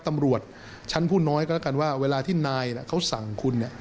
ตำรวจชั้นผู้น้อยก็แล้วกันว่าเวลาที่นายเขาสั่งคุณเนี่ย